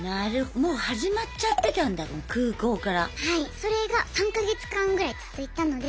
それが３か月間ぐらい続いたので。